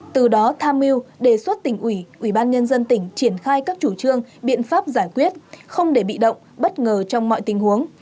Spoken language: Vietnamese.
từ đó tham mưu đề xuất tỉnh ủy ủy ban nhân dân tỉnh triển khai các chủ trương biện pháp giải quyết không để bị động bất ngờ trong mọi tình huống